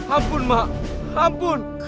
ampun mak ampun